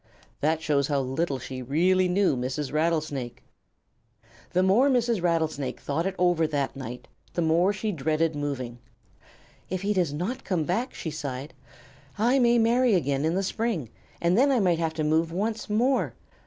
That shows how little she really knew Mrs. Rattlesnake. The more Mrs. Rattlesnake thought it over that night, the more she dreaded moving. "If he does not come back," she sighed, "I may marry again in the spring, and then I might have to move once more.